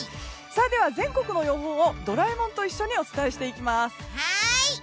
全国の予報をドラえもんと一緒にお伝えしていきます。